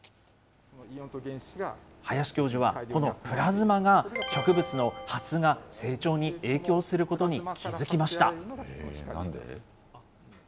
林教授はこのプラズマが植物の発芽・成長に影響することに気付きました。